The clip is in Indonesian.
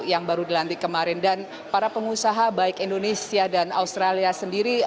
yang baru dilantik kemarin dan para pengusaha baik indonesia dan australia sendiri